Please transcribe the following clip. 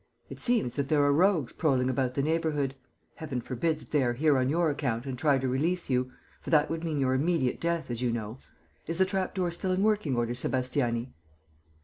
It seems that there are rogues prowling about the neighbourhood. Heaven forbid that they are here on your account and try to release you; for that would mean your immediate death, as you know.... Is the trapdoor still in working order, Sébastiani?"